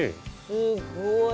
すごい。